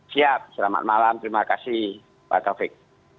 siap selamat malam terima kasih pak taufik